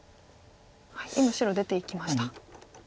今白出ていきました。